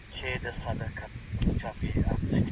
زه به دا ټوله مځکه ستا په نوم کړم.